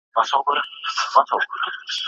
ډېرې ونې د خلکو لپاره حیاتي دي.